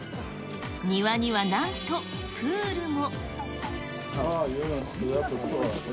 庭にはなんとプールも。